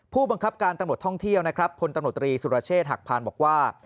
ผู้บังคับการตังบท่องเที่ยวพตรสุรเชษฐ์หักพานบอกว่า